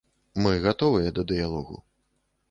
Мы гатовыя да дыялогу.